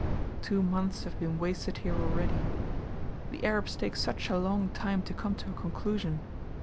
Two months have been wasted here already. The Arabs take such a long time to come to a conclusion.